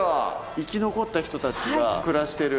生き残った人たちが暮らしてる。